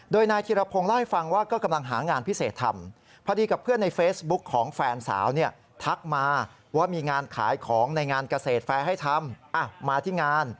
โดยนายธิรพพงศ์เล่าให้ฟังว่ากำลังหางานพิเศษทำ